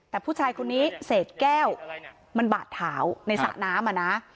แต่ผู้ชายคนนี้เศษแก้วมันบาดถาวในสระน้ำ